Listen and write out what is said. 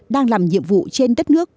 đang làm nhiệm vụ trên đất nước